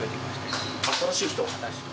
新しい人。